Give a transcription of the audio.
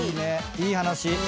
いい話。